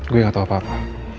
gue gak tau apa apa